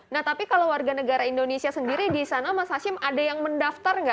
nah tapi kalau warga negara indonesia sendiri di sana mas hashim ada yang mendaftar nggak